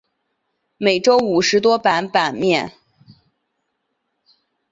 每周五十多版版面。